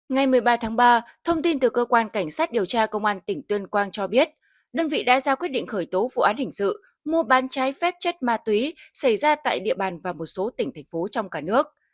ngày một mươi ba tháng ba thông tin từ cơ quan cảnh sát điều tra công an tỉnh tuyên quang cho biết đơn vị đã ra quyết định khởi tố vụ án hình sự mua bán trái phép chất ma túy xảy ra tại địa bàn và một số tỉnh thành phố trong cả nước